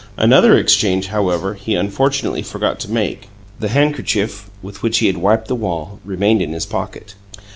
Another exchange, however, he unfortunately forgot to make: the handkerchief with which he had wiped the wall remained in his pocket.